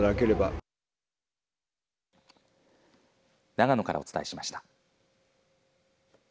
長野からお伝えしました。